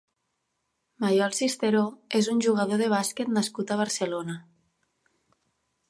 Maiol Cisteró és un jugador de bàsquet nascut a Barcelona.